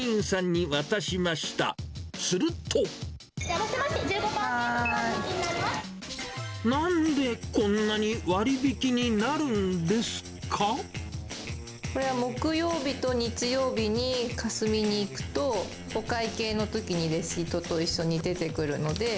合わせまして、１５％の割引なんでこんなに割引になるんこれは木曜日と日曜日に、カスミに行くと、お会計のときにレシートと一緒に出てくるので。